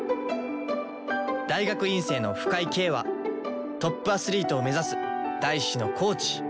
大学院生の深井京はトップアスリートを目指す大志のコーチ。